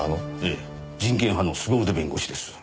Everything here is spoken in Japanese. ええ人権派の凄腕弁護士です。